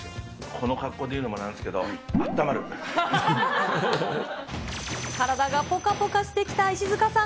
この格好で言うのもなんです体がぽかぽかしてきた石塚さん。